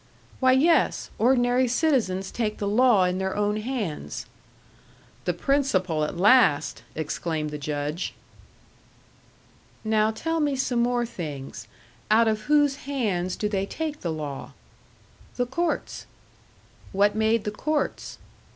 "Why, yes. Ordinary citizens take the law in their own hands." "The principle at last!" exclaimed the Judge. "Now tell me some more things. Out of whose hands do they take the law?" "The court's." "What made the courts?"